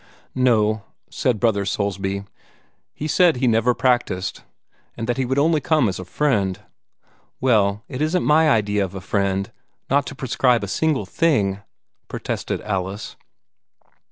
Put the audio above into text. "No," said Brother Soulsby, "he said he never practised, and that he would come only as a friend." "Well, it isn't my idea of a friend not to prescribe a single thing," protested Alice.